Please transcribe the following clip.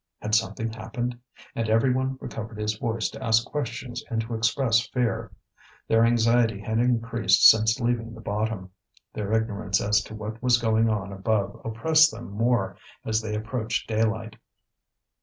had something happened? and every one recovered his voice to ask questions and to express fear. Their anxiety had increased since leaving the bottom; their ignorance as to what was going on above oppressed them more as they approached daylight.